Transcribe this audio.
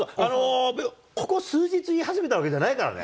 ここ数日、言い始めたわけじゃないからね。